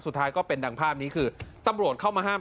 สุดท้ายก็เป็นดังภาพนี้คือตำรวจเข้ามาห้าม